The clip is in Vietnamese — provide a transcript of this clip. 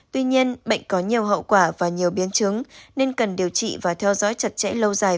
tuy nhiên bệnh có nhiều hậu quả và nhiều biến chứng nên cần điều trị và theo dõi chặt chẽ lâu dài